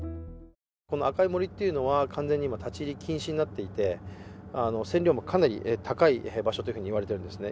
赤い森というのは完全に今、立入禁止になっていて線量もかなり高い場所というふうにいわれていますね。